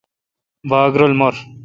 باگ رل مُر۔